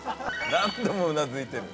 何度もうなずいてる。